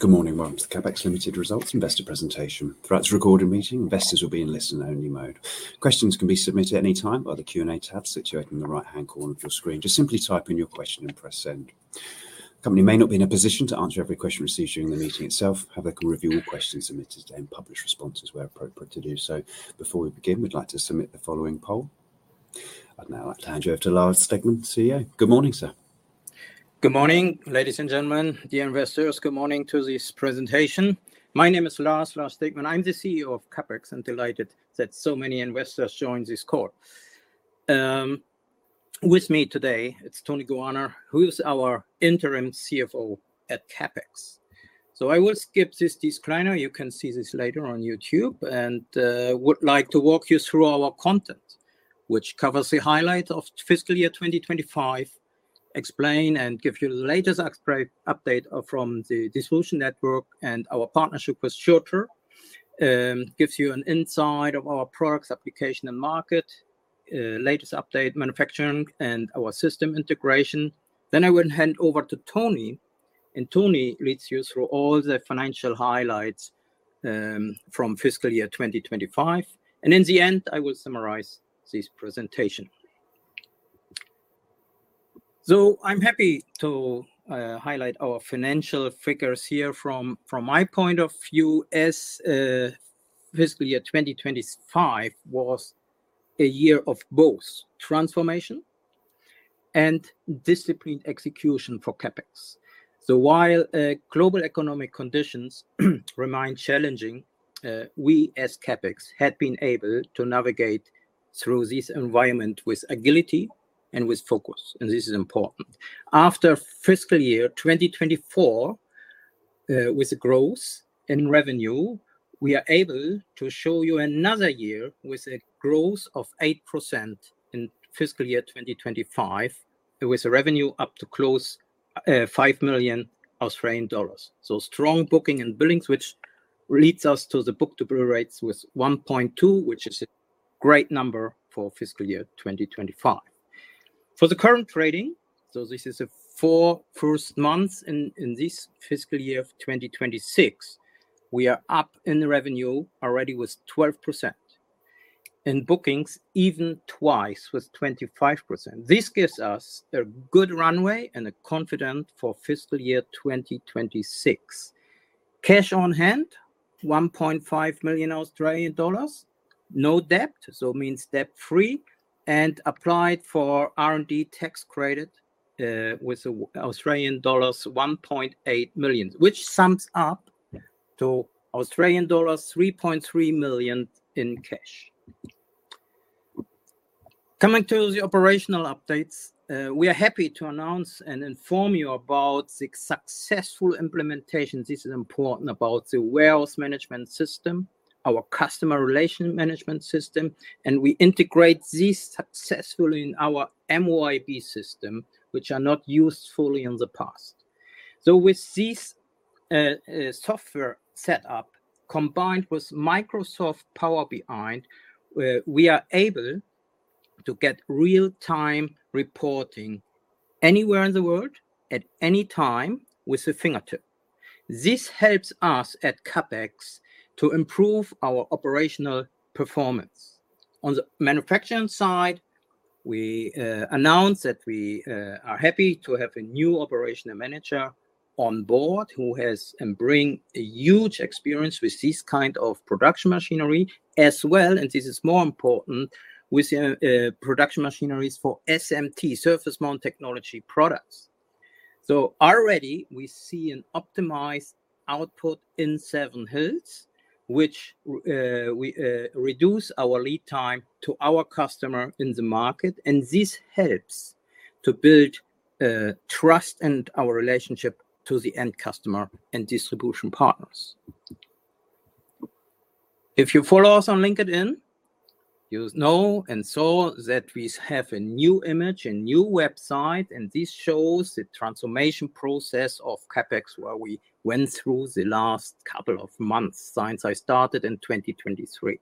Good morning. Welcome to the CAP-XX Limited Results Investor Presentation. Throughout this recorded meeting, investors will be in listen-only mode. Questions can be submitted at any time by the Q&A tab situated in the right-hand corner of your screen. Just simply type in your question and press Send. The company may not be in a position to answer every question received during the meeting itself, however, they can review all questions submitted and publish responses where appropriate to do so. Before we begin, we'd like to submit the following poll. I'd now like to hand you over to Lars Stegmann, CEO. Good morning, sir. Good morning, ladies and gentlemen, dear investors, good morning to this presentation. My name is Lars, Lars Stegmann. I'm the CEO of CAP-XX, and delighted that so many investors joined this call. With me today, it's Tony Guarna, who is our interim CFO at. So I will skip this disclaimer. You can see this later on YouTube, and would like to walk you through our content, which covers the highlight of fiscal year 2025, explain and give you the latest update from the distribution network and our partnership with Schurter. Gives you an insight of our products, application, and market, latest update, manufacturing, and our system integration. Then I will hand over to Tony, and Tony leads you through all the financial highlights from fiscal year 2025, and in the end, I will summarize this presentation. So I'm happy to highlight our financial figures here. From my point of view, as fiscal year 2025 was a year of both transformation and disciplined execution for. So while global economic conditions remain challenging, we, as, had been able to navigate through this environment with agility and with focus, and this is important. After fiscal year 2024, with the growth in revenue, we are able to show you another year with a growth of 8% in fiscal year 2025, with a revenue close to 5 million Australian dollars. So strong bookings and billings, which leads us to the book-to-bill ratio with 1.2, which is a great number for fiscal year 2025. For the current trading, so this is the first four months in this fiscal year of 2026, we are up in the revenue already with 12%, in bookings, even twice, with 25%. This gives us a good runway and a confident for fiscal year 2026. Cash on hand, 1.5 million Australian dollars. No debt, so means debt-free, and applied for R&D tax credit with Australian dollars 1.8 million, which sums up to Australian dollars 3.3 million in cash. Coming to the operational updates, we are happy to announce and inform you about the successful implementation, this is important, about the warehouse management system, our customer relation management system, and we integrate this successfully in our MYOB system, which are not used fully in the past. So with this software set up, combined with Microsoft Power BI, we are able to get real-time reporting anywhere in the world, at any time, with a fingertip. This helps us at to improve our operational performance. On the manufacturing side, we announce that we are happy to have a new operational manager on board who has bring a huge experience with this kind of production machinery as well, and this is more important, with production machineries for SMT, surface mount technology products. So already, we see an optimized output in Seven Hills, which we reduce our lead time to our customer in the market, and this helps to build trust and our relationship to the end customer and distribution partners. If you follow us on LinkedIn, you know, and saw that we have a new image, a new website, and this shows the transformation process of, where we went through the last couple of months since I started in 2023.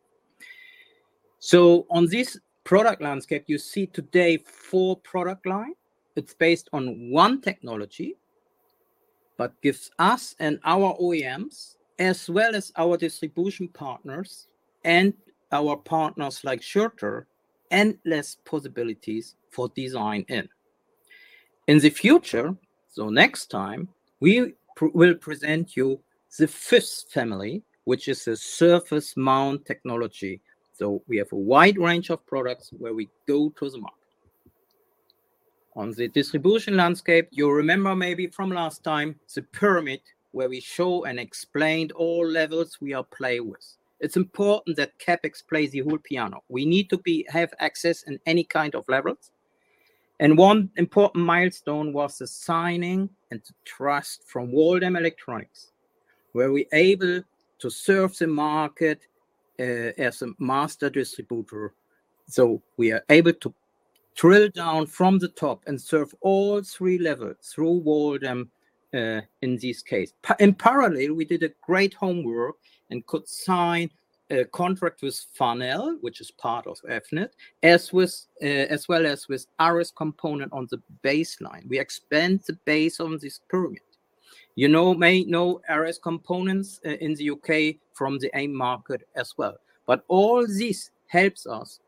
So on this product landscape, you see today four product line. It's based on one technology, but gives us and our OEMs, as well as our distribution partners and our partners like SCHURTER, endless possibilities for design in. In the future, so next time, we will present you the fifth family, which is the Surface Mount Technology. So we have a wide range of products where we go to the market. On the distribution landscape, you remember maybe from last time, the pyramid, where we show and explained all levels we are play with. It's important that plays the whole piano. We need to have access in any kind of levels. One important milestone was the signing and the trust from Waldom Electronics, where we're able to serve the market as a master distributor. We are able to drill down from the top and serve all three levels through Waldom in this case. In parallel, we did a great homework and could sign a contract with Farnell, which is part of Avnet, as well as with RS Components on the baseline. We expand the base on this pyramid. You know, you may know RS Components in the U.K. from the AIM market as well. But all this helps us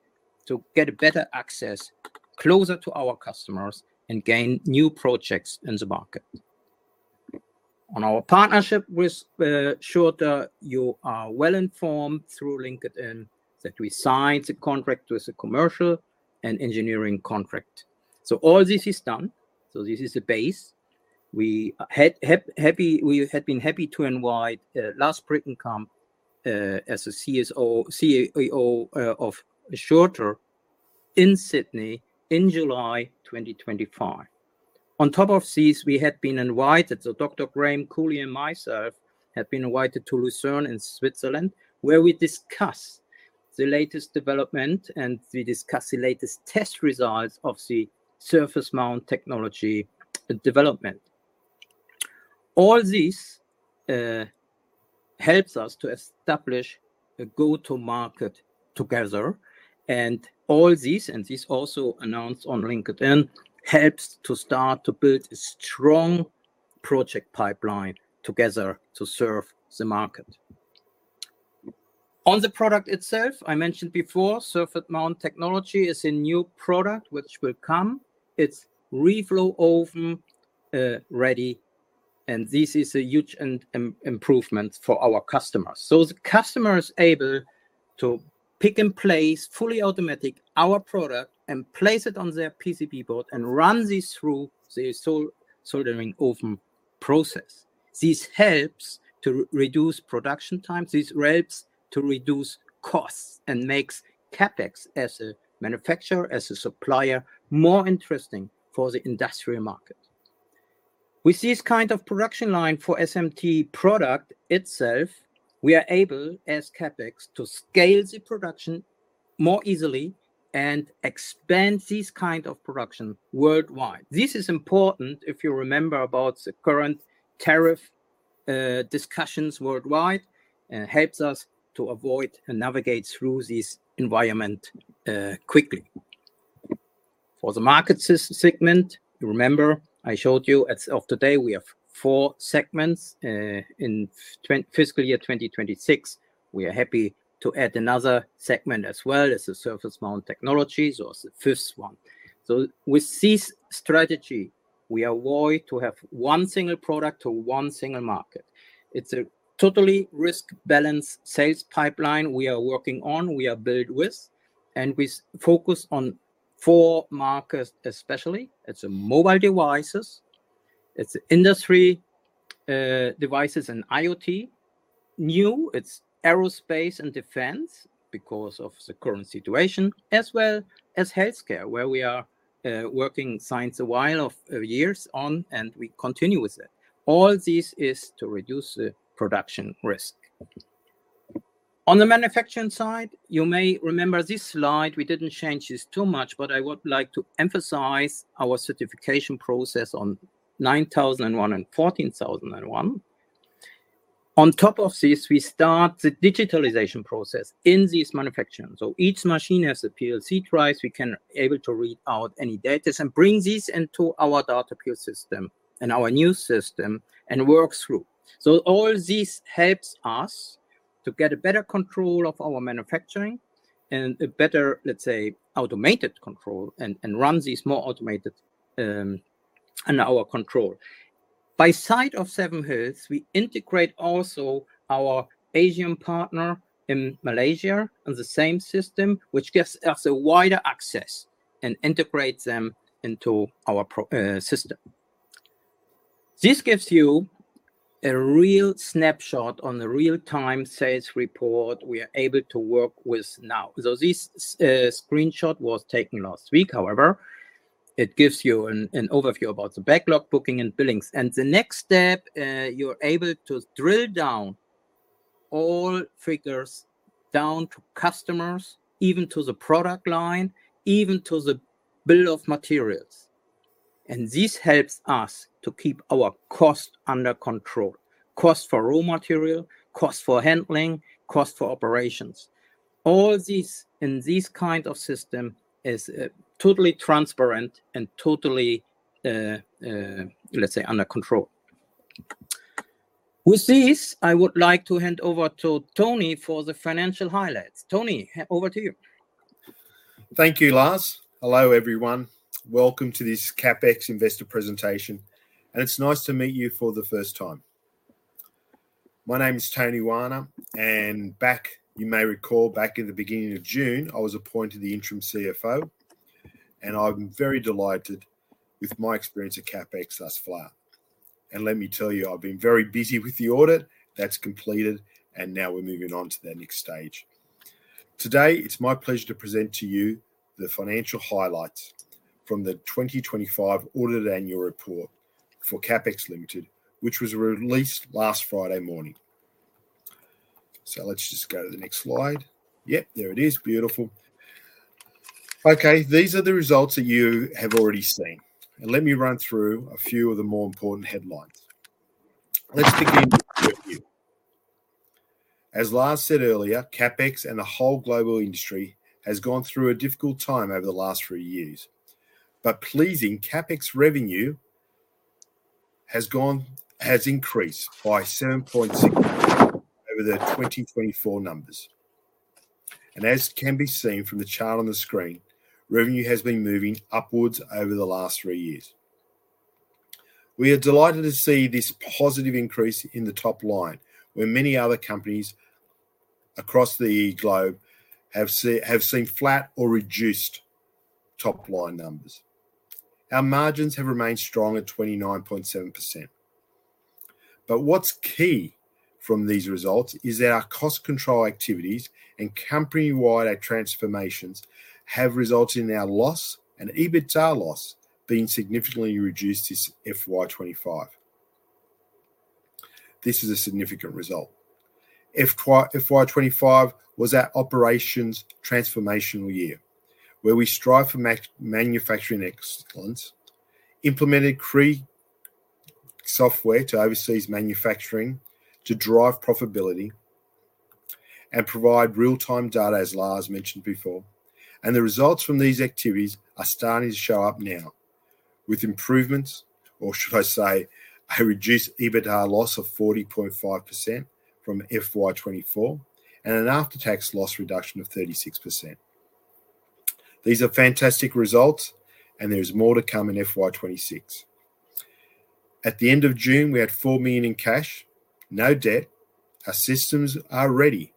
to get a better access closer to our customers and gain new projects in the market. On our partnership with SCHURTER, you are well informed through LinkedIn that we signed the contract with the commercial and engineering contract. So all this is done, so this is the base. We had been happy to invite Lars Brickenkamp as the CSO-CAO of SCHURTER in Sydney in July 2025. On top of this, we had been invited, so Dr. Graham Cooley and myself had been invited to Lucerne in Switzerland, where we discussed the latest development, and we discussed the latest test results of the surface mount technology development. All this helps us to establish a go-to-market together, and all this, and this also announced on LinkedIn, helps to start to build a strong project pipeline together to serve the market. On the product itself, I mentioned before, surface mount technology is a new product which will come. It's reflow oven ready, and this is a huge improvement for our customers. So the customer is able to pick and place, fully automatic, our product, and place it on their PCB board and run this through the soldering oven process. This helps to reduce production time. This helps to reduce costs and makes CAP-XX as a manufacturer, as a supplier, more interesting for the industrial market. With this kind of production line for SMT product itself, we are able, as CAP-XX, to scale the production more easily and expand this kind of production worldwide. This is important, if you remember, about the current tariff discussions worldwide, and helps us to avoid and navigate through this environment quickly. For the market segment, you remember I showed you as of today, we have four segments. In fiscal year 2026, we are happy to add another segment as well as the surface mount technologies, or the fifth one. So with this strategy, we avoid to have one single product to one single market. It's a totally risk-balanced sales pipeline we are working on, we are build with, and we focus on four markets especially. It's mobile devices, it's industry devices and IoT. Now, it's aerospace and defense because of the current situation, as well as healthcare, where we are working since a while of years on, and we continue with it. All this is to reduce the production risk. On the manufacturing side, you may remember this slide. We didn't change this too much, but I would like to emphasize our certification process on ISO 9001 and ISO 14001. On top of this, we start the digitalization process in this manufacturing, so each machine has a PLC. This we can able to read out any data and bring this into our DataQ system and our new system, and work through, so all this helps us to get a better control of our manufacturing and a better, let's say, automated control, and run this more automated under our control. Beside Seven Hills, we integrate also our Asian partner in Malaysia on the same system, which gives us a wider access and integrates them into our production system. This gives you a real snapshot on the real-time sales report we are able to work with now, so this screenshot was taken last week, however, it gives you an overview about the backlog, booking, and billings. And the next step, you're able to drill down all figures down to customers, even to the product line, even to the bill of materials. And this helps us to keep our cost under control. Cost for raw material, cost for handling, cost for operations. All this, in this kind of system, is totally transparent and totally, let's say, under control. With this, I would like to hand over to Tony for the financial highlights. Tony, over to you. Thank you, Lars. Hello, everyone. Welcome to this CAP-XX investor presentation, and it's nice to meet you for the first time. My name is Tony Guarna, and back. You may recall back in the beginning of June, I was appointed the interim CFO, and I'm very delighted with my experience at CAP-XX thus far. And let me tell you, I've been very busy with the audit. That's completed, and now we're moving on to the next stage. Today, it's my pleasure to present to you the financial highlights from the 2025 audited annual report for CAP-XX Limited, which was released last Friday morning. So let's just go to the next slide. Yep, there it is. Beautiful. Okay, these are the results that you have already seen. And let me run through a few of the more important headlines. Let's begin. As Lars said earlier, CAP-XX and the whole global industry has gone through a difficult time over the last three years. Pleasing CAP-XX revenue has increased by 7.6 over the 2024 numbers. As can be seen from the chart on the screen, revenue has been moving upwards over the last three years. We are delighted to see this positive increase in the top line, where many other companies across the globe have seen flat or reduced top-line numbers. Our margins have remained strong at 29.7%. What's key from these results is that our cost control activities and company-wide transformations have resulted in our loss and EBITDA loss being significantly reduced this FY2025. This is a significant result. FY2025 was our operations transformational year, where we strived for manufacturing excellence, implemented free software to overseas manufacturing to drive profitability and provide real-time data, as Lars mentioned before. The results from these activities are starting to show up now with improvements, or should I say, a reduced EBITDA loss of 40.5% from FY 2024 and an after-tax loss reduction of 36%. These are fantastic results, and there's more to come in FY 2026. At the end of June, we had 4 million in cash, no debt, our systems are ready,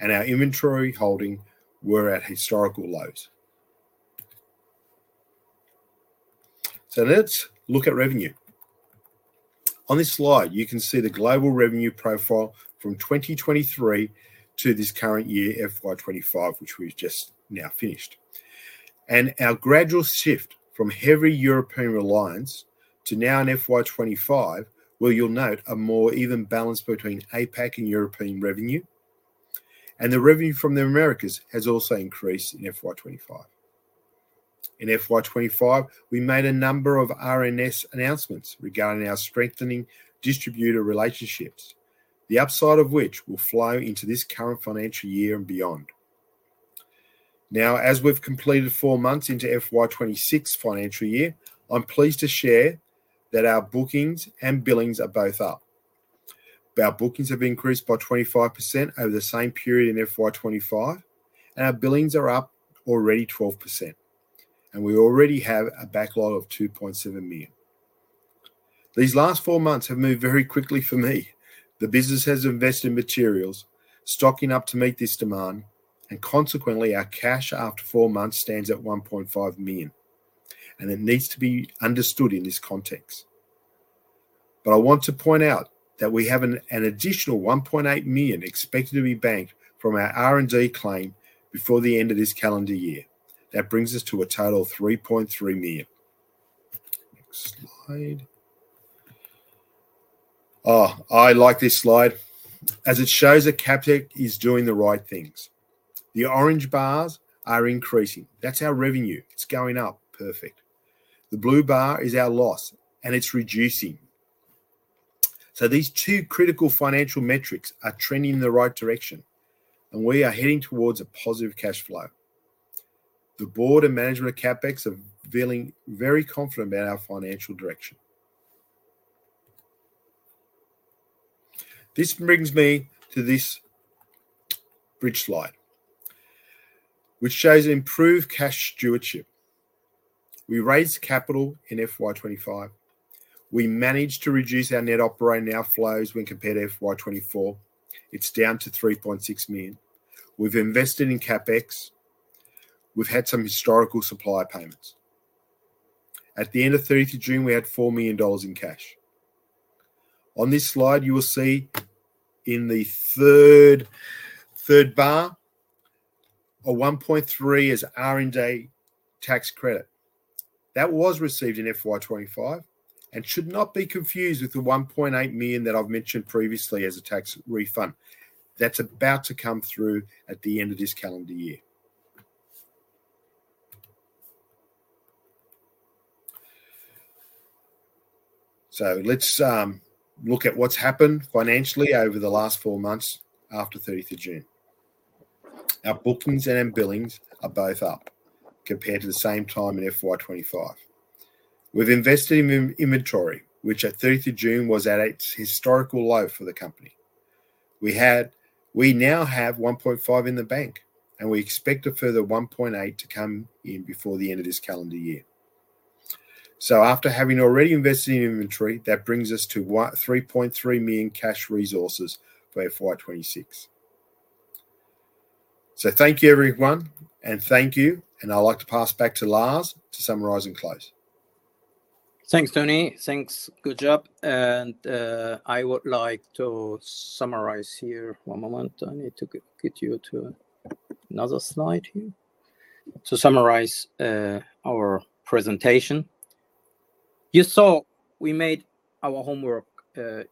and our inventory holding were at historical lows. Let's look at revenue. On this slide, you can see the global revenue profile from 2023 to this current year, FY 2025, which we've just now finished. Our gradual shift from heavy European reliance to now in FY 25, where you'll note a more even balance between APAC and European revenue, and the revenue from the Americas has also increased in FY 25. In FY 25, we made a number of RNS announcements regarding our strengthening distributor relationships, the upside of which will flow into this current financial year and beyond. Now, as we've completed four months into FY 26 financial year, I'm pleased to share that our bookings and billings are both up. Our bookings have increased by 25% over the same period in FY 25, and our billings are up already 12%, and we already have a backlog of 2.7 million. These last four months have moved very quickly for me. The business has invested in materials, stocking up to meet this demand, and consequently, our cash after four months stands at 1.5 million, and it needs to be understood in this context. But I want to point out that we have an additional 1.8 million expected to be banked from our R&D claim before the end of this calendar year. That brings us to a total of 3.3 million. Next slide. Oh, I like this slide, as it shows that CAP-XX is doing the right things. The orange bars are increasing. That's our revenue. It's going up. Perfect. The blue bar is our loss, and it's reducing. So these two critical financial metrics are trending in the right direction, and we are heading towards a positive cash flow. The board and management of CAP-XX are feeling very confident about our financial direction. This brings me to this bridge slide, which shows improved cash stewardship. We raised capital in FY 2025. We managed to reduce our net operating outflows when compared to FY 2024. It's down to 3.6 million. We've invested in CAP-XX. We've had some historical supply payments. At the end of the thirtieth of June, we had 4 million dollars in cash. On this slide, you will see in the third bar, a 1.3 million as R&D tax credit. That was received in FY 2025 and should not be confused with the 1.8 million that I've mentioned previously as a tax refund. That's about to come through at the end of this calendar year. So let's look at what's happened financially over the last four months after the thirtieth of June. Our bookings and billings are both up compared to the same time in FY 2025. We've invested in inventory, which at thirtieth of June was at its historical low for the company. We now have 1.5 million in the bank, and we expect a further 1.8 million to come in before the end of this calendar year. So after having already invested in inventory, that brings us to 3.3 million cash resources for FY 2026. So thank you, everyone, and thank you. And I'd like to pass back to Lars to summarize and close. Thanks, Tony. Thanks. Good job, and I would like to summarize here. One moment. I need to get you to another slide here. To summarize our presentation, you saw we made our homework.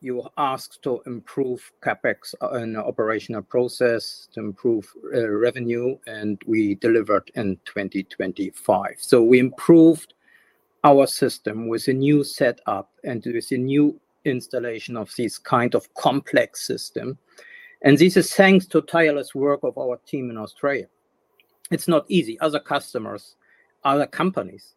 You were asked to improve CAP-XX and operational process, to improve revenue, and we delivered in 2025, so we improved our system with a new set up and with a new installation of this kind of complex system, and this is thanks to tireless work of our team in Australia. It's not easy. Other customers, other companies,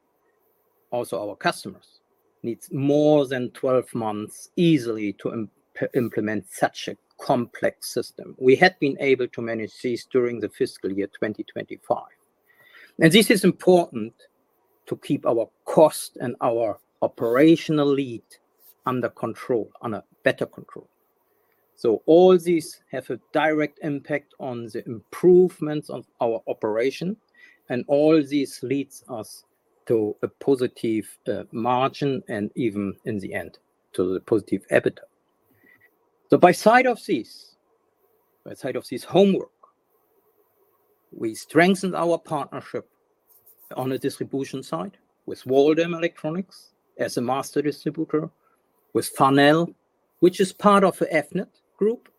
also our customers, needs more than 12 months easily to implement such a complex system. We had been able to manage this during the fiscal year 2025, and this is important to keep our cost and our operational lead under control, under better control. So all these have a direct impact on the improvements of our operation, and all this leads us to a positive margin, and even in the end, to the positive EBITDA. So by side of this, by side of this homework, we strengthened our partnership on the distribution side with Waldom Electronics as a master distributor, with Farnell, which is part of the Avnet Group,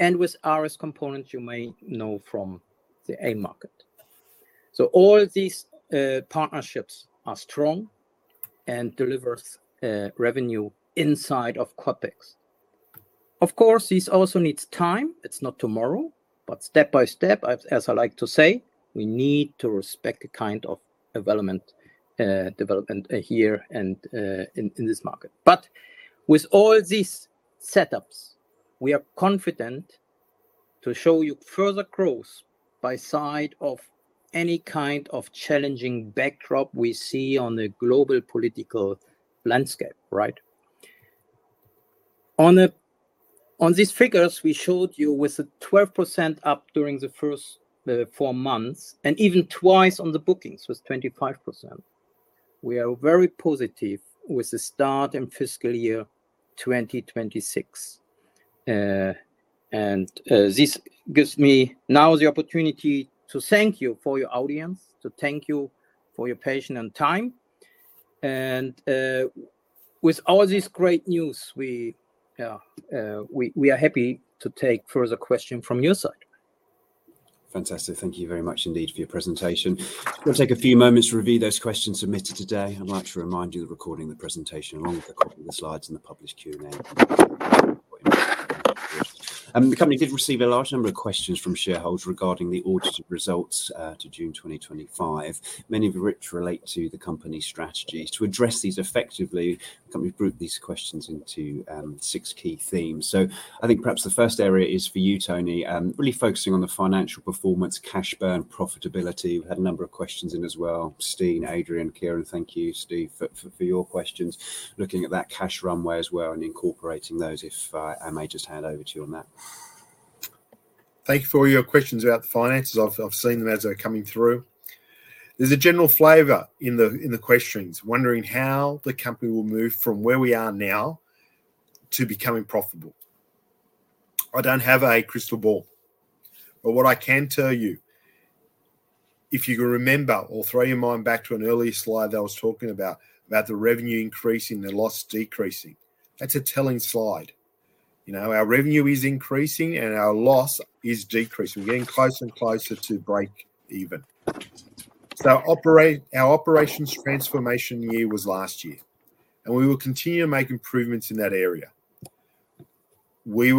and with RS Components, you may know from the AIM market. So all these partnerships are strong and delivers revenue inside of CAP-XX. Of course, this also needs time. It's not tomorrow, but step by step, as I like to say, we need to respect the kind of development here and in this market. But with all these setups, we are confident to show you further growth by side of any kind of challenging backdrop we see on the global political landscape, right? On these figures, we showed you with a 12% up during the first four months, and even twice on the bookings, was 25%. We are very positive with the start in fiscal year 2026. And, this gives me now the opportunity to thank you for your audience, to thank you for your patience and time, and, with all this great news, we are happy to take further question from your side. Fantastic. Thank you very much indeed for your presentation. We'll take a few moments to review those questions submitted today. I'd like to remind you, the recording of the presentation, along with a copy of the slides and the published Q&A. The company did receive a large number of questions from shareholders regarding the audited results to June 2025, many of which relate to the company's strategy. To address these effectively, the company's grouped these questions into six key themes. So I think perhaps the first area is for you, Tony, really focusing on the financial performance, cash burn, profitability. We had a number of questions in as well, Steve, Adrian, Kieran. Thank you, Steve, for your questions, looking at that cash runway as well and incorporating those, if I may just hand over to you on that. Thank you for all your questions about the finances. I've seen them as they're coming through. There's a general flavor in the questions, wondering how the company will move from where we are now to becoming profitable. I don't have a crystal ball, but what I can tell you, if you can remember, or throw your mind back to an earlier slide that I was talking about, about the revenue increasing, the loss decreasing. That's a telling slide. You know, our revenue is increasing, and our loss is decreasing. We're getting closer and closer to break even. Our operations transformation year was last year, and we will continue to make improvements in that area. We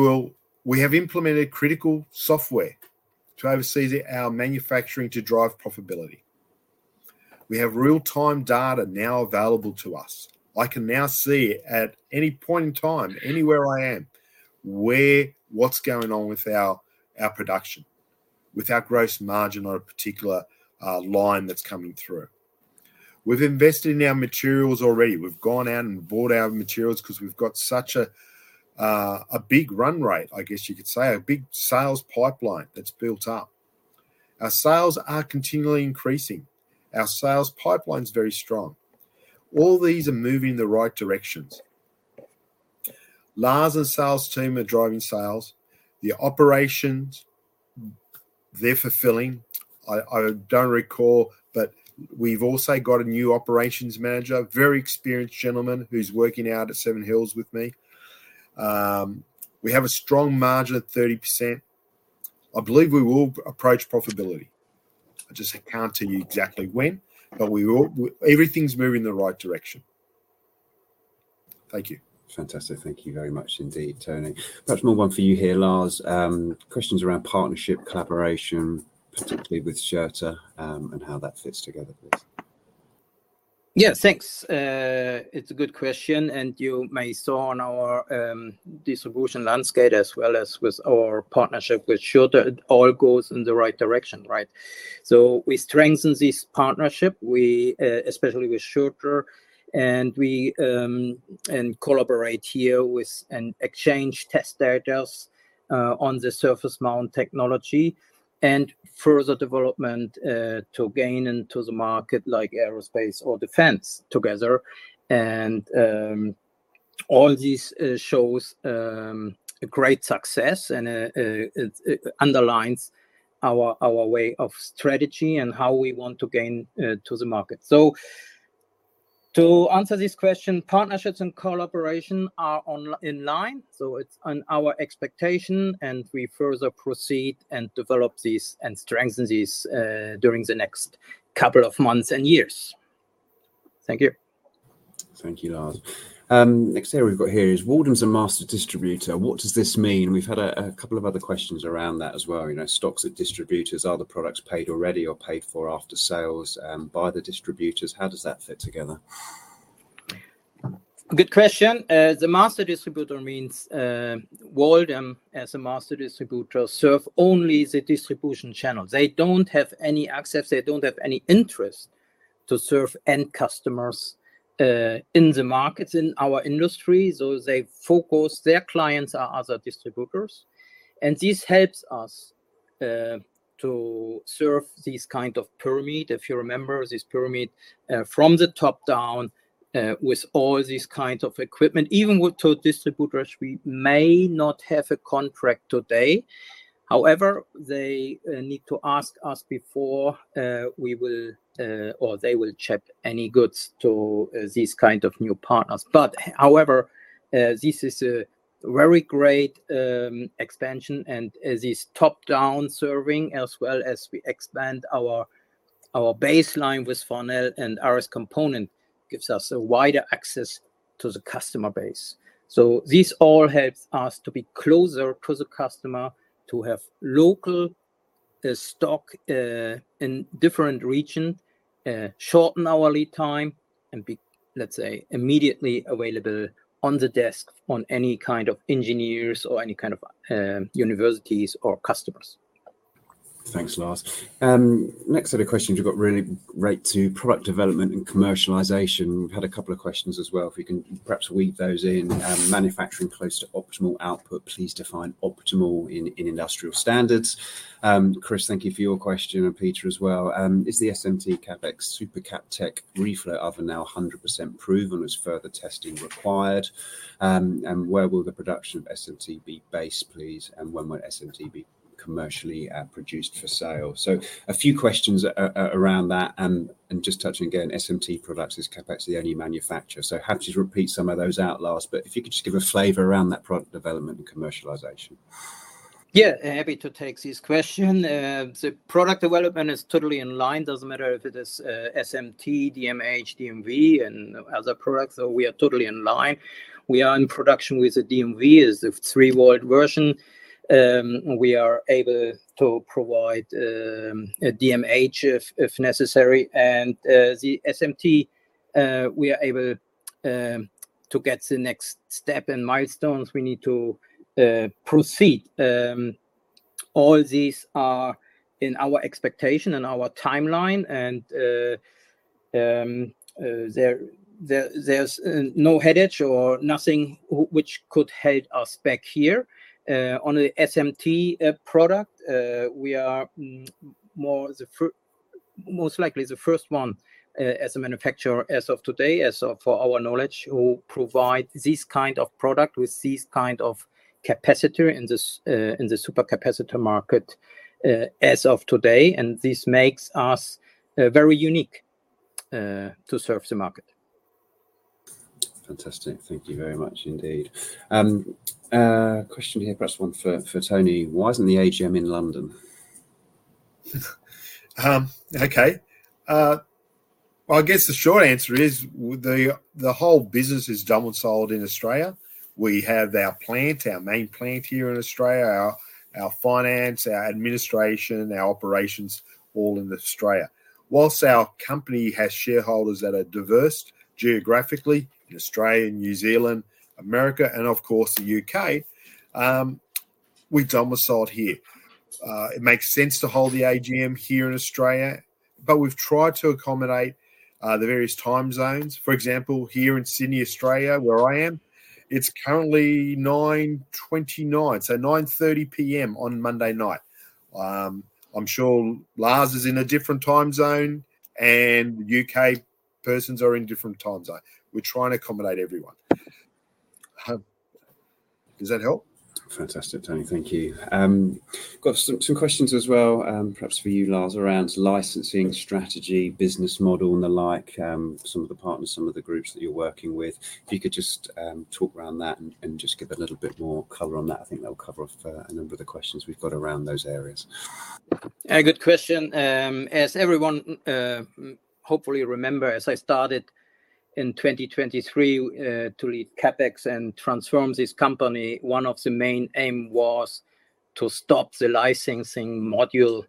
have implemented critical software to oversee our manufacturing to drive profitability. We have real-time data now available to us. I can now see at any point in time, anywhere I am, what's going on with our production, with our gross margin on a particular line that's coming through. We've invested in our materials already. We've gone out and bought our materials 'cause we've got such a big run rate, I guess you could say, a big sales pipeline that's built up. Our sales are continually increasing. Our sales pipeline is very strong. All these are moving in the right directions. Lars and sales team are driving sales. The operations, they're fulfilling. I don't recall, but we've also got a new operations manager, very experienced gentleman who's working out at Seven Hills with me. We have a strong margin of 30%. I believe we will approach profitability. I just can't tell you exactly when, but we will. Everything's moving in the right direction. Thank you. Fantastic. Thank you very much indeed, Tony. Much more one for you here, Lars. Questions around partnership, collaboration, particularly with Schurter, and how that fits together, please. Yeah, thanks. It's a good question, and you may have seen on our distribution landscape, as well as with our partnership with Schurter, it all goes in the right direction, right? So we strengthen this partnership, we especially with Schurter, and we and collaborate here with and exchange test data on the surface mount technology and further development to gain into the market, like aerospace or defense together. And all this shows a great success, and it underlines our way of strategy and how we want to gain to the market. So to answer this question, partnerships and collaboration are in line, so it's on our expectation, and we further proceed and develop this and strengthen this during the next couple of months and years. Thank you. Thank you, Lars. Next thing we've got here is, Waldom is a master distributor. What does this mean? We've had a couple of other questions around that as well, you know, stocks at distributors, are the products paid already or paid for after sales, by the distributors? How does that fit together? Good question. The master distributor means Waldom, as a master distributor, serve only the distribution channel. They don't have any access, they don't have any interest to serve end customers in the markets, in our industry, so they focus. Their clients are other distributors, and this helps us to serve this kind of pyramid. If you remember, this pyramid from the top down with all these kinds of equipment, even with two distributors, we may not have a contract today. However, they need to ask us before we will or they will ship any goods to these kind of new partners. But however, this is a very great expansion, and this top-down serving, as well as we expand our baseline with Farnell and RS Components, gives us a wider access to the customer base. So this all helps us to be closer to the customer, to have local stock in different region, shorten our lead time, and be, let's say, immediately available on the desk on any kind of engineers or any kind of universities or customers. Thanks, Lars. Next set of questions we've got really relate to product development and commercialization. We've had a couple of questions as well, if you can perhaps weave those in. Manufacturing close to optimal output, please define optimal in industrial standards. Chris, thank you for your question, and Peter as well. Is the SMT CAP-XX SuperCap Tech reflow oven now 100% proven, or is further testing required? And where will the production of SMT be based, please, and when will SMT be commercially produced for sale? So a few questions around that, and just touching again, SMT products, is CAP-XX the only manufacturer. So happy to repeat some of those aloud, Lars, but if you could just give a flavor around that product development and commercialization. Yeah, happy to take this question. The product development is totally in line, doesn't matter if it is SMT, DMH, DMV, and other products, so we are totally in line. We are in production with the DMV, is the three-volt version. We are able to provide a DMH if necessary, and the SMT, we are able to get the next step in milestones we need to proceed. All these are in our expectation and our timeline, and there's no headache or nothing which could hold us back here. On the SMT product, we are most likely the first one, as a manufacturer, as of today, as far as our knowledge, who provide this kind of product with this kind of capacitor in the supercapacitor market, as of today, and this makes us very unique to serve the market. Fantastic. Thank you very much indeed. Question here, perhaps one for Tony: Why isn't the AGM in London? Okay. Well, I guess the short answer is, the whole business is domiciled in Australia. We have our plant, our main plant here in Australia, our finance, our administration, our operations all in Australia. Whilst our company has shareholders that are diverse geographically, in Australia and New Zealand, America, and of course, the UK, we've domiciled here. It makes sense to hold the AGM here in Australia, but we've tried to accommodate the various time zones. For example, here in Sydney, Australia, where I am, it's currently 9:29 P.M., so 9:30 P.M. on Monday night. I'm sure Lars is in a different time zone, and UK persons are in different time zone. We're trying to accommodate everyone. Does that help? Fantastic, Tony. Thank you. Got some two questions as well, perhaps for you, Lars, around licensing, strategy, business model, and the like, some of the partners, some of the groups that you're working with. If you could just talk around that and just give a little bit more color on that, I think that'll cover off a number of the questions we've got around those areas. A good question. As everyone hopefully remember, as I started in 2023 to lead CAP-XX and transform this company, one of the main aim was to stop the licensing model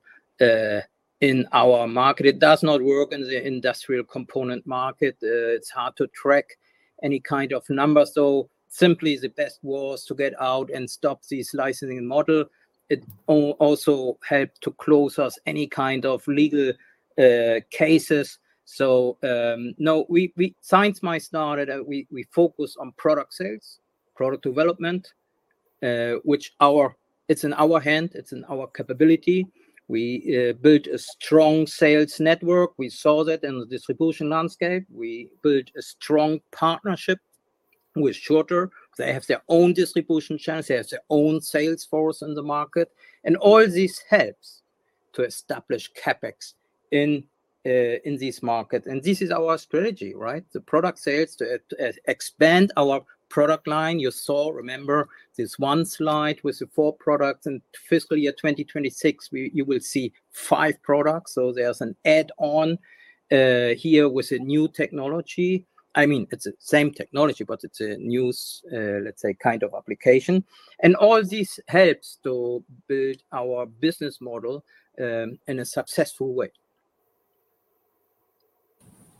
in our market. It does not work in the industrial component market. It's hard to track any kind of number, so simply, the best was to get out and stop this licensing model. It also helped to close out any kind of legal cases. So, no, since I started, we focus on product sales, product development, which our. It's in our hand, it's in our capability. We built a strong sales network. We saw that in the distribution landscape. We built a strong partnership with Schurter. They have their own distribution channels, they have their own sales force in the market, and all this helps-... to establish CAP-XX in this market, and this is our strategy, right? The product sales to expand our product line. You saw, remember, this one slide with the four products, and fiscal year 2026, you will see five products. So there's an add-on here with a new technology. I mean, it's the same technology, but it's a new, let's say, kind of application, and all this helps to build our business model in a successful way.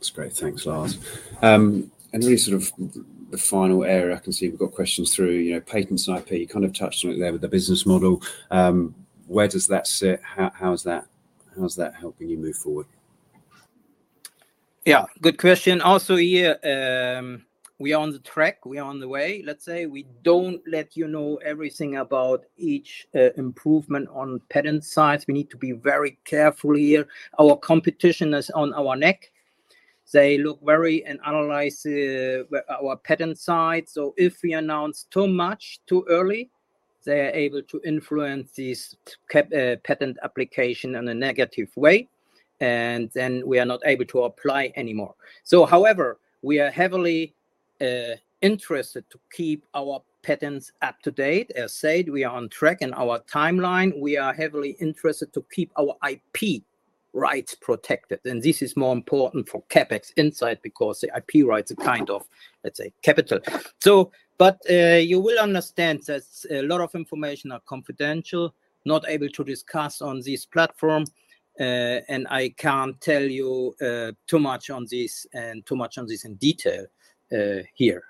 That's great. Thanks, Lars, and really sort of the final area, I can see we've got questions through, you know, patents and IP. You kind of touched on it there with the business model. Where does that sit? How is that helping you move forward? Yeah, good question. Also here, we are on the track, we are on the way. Let's say, we don't let you know everything about each improvement on patent side. We need to be very careful here. Our competition is on our neck. They look very and analyze our patent side. So if we announce too much, too early, they are able to influence this patent application in a negative way, and then we are not able to apply anymore. So however, we are heavily interested to keep our patents up to date. As said, we are on track in our timeline. We are heavily interested to keep our IP rights protected, and this is more important for CAP-XX inside, because the IP rights are kind of, let's say, capital. You will understand that a lot of information are confidential, not able to discuss on this platform, and I can't tell you too much on this, and too much on this in detail here.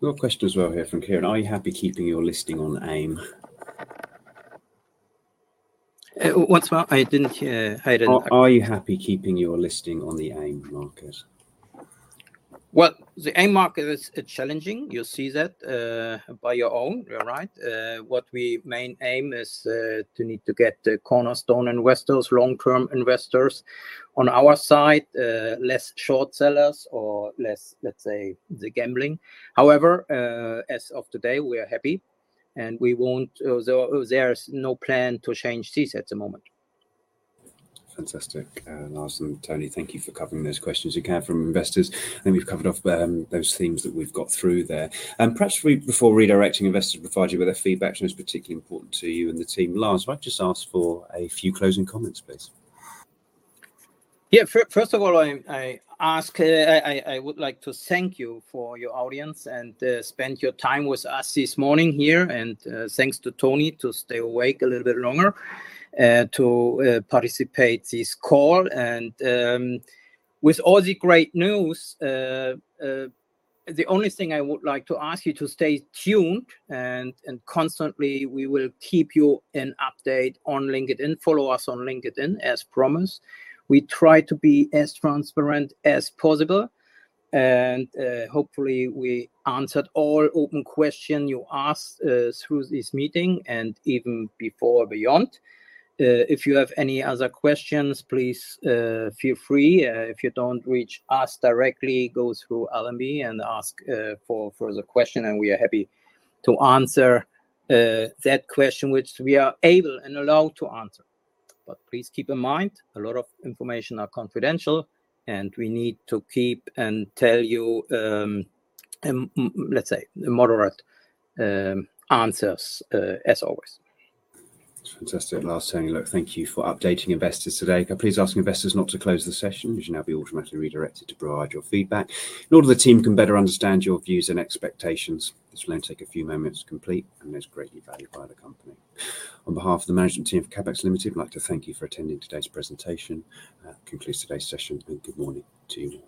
We've got a question as well here from Kieran: "Are you happy keeping your listing on AIM? Once more, I didn't hear, Hayden. Are you happy keeping your listing on the AIM market? The AIM market is challenging. You see that, by your own, you're right. What we main aim is to need to get the cornerstone investors, long-term investors on our side, less short sellers or less, let's say, the gambling. However, as of today, we are happy, and we won't... There is no plan to change this at the moment. Fantastic. Lars and Tony, thank you for covering those questions you had from investors, and we've covered off those themes that we've got through there, and perhaps before redirecting investors to provide you with their feedback, which is particularly important to you and the team, Lars, might just ask for a few closing comments, please. Yeah, first of all, I would like to thank you for your audience and spend your time with us this morning here, and thanks to Tony to stay awake a little bit longer to participate this call. With all the great news, the only thing I would like to ask you to stay tuned, and constantly we will keep you an update on LinkedIn. Follow us on LinkedIn, as promised. We try to be as transparent as possible, and hopefully, we answered all open question you asked through this meeting and even before or beyond. If you have any other questions, please feel free. If you don't reach us directly, go through Allenby and ask for further question, and we are happy to answer that question, which we are able and allowed to answer. But please keep in mind, a lot of information are confidential, and we need to keep and tell you, let's say, moderate answers, as always. Fantastic. Lars, Tony, look, thank you for updating investors today. Can I please ask investors not to close the session? You should now be automatically redirected to provide your feedback, in order the team can better understand your views and expectations. This will only take a few moments to complete and is greatly valued by the company. On behalf of the management team of CAP-XX Limited, I'd like to thank you for attending today's presentation. Concludes today's session, and good morning to you.